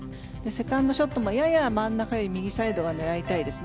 セカンドショットもやや真ん中より右サイドを狙いたいです。